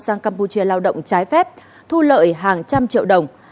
sang campuchia lao động trái phép thu lợi hàng trăm triệu đồng